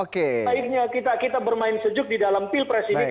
baiknya kita bermain sejuk di dalam pil presidik